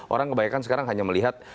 orang kebanyakan sekarang hanya melihat